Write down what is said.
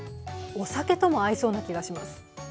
お酒とも合いそうな気がします。